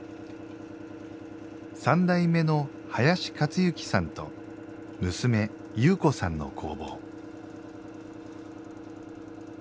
三代目の林克行さんと娘・侑子さんの工房。